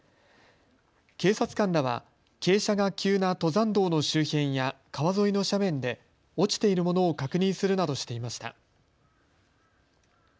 警察官らは傾斜が急な登山道の周辺や川沿いの斜面で落ちているものを確認するなどしています。